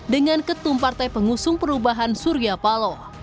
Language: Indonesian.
dengan ketum partai pengusung perubahan surya paloh